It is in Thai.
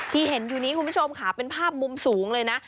ที่เห็นอยู่นี้คุณผู้ชมค่ะเป็นภาพมุมสูงเลยนะ